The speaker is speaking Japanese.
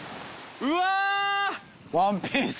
うわ！